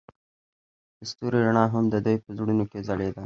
د ستوري رڼا هم د دوی په زړونو کې ځلېده.